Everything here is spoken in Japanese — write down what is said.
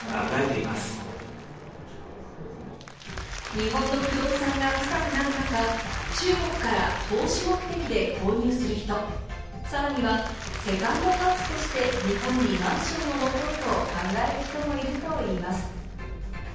日本の不動産が高くなる中、中国から投資目的で購入する人、さらにはセカンドハウスとして日本にマンションを持とうと考える人もいるといいます。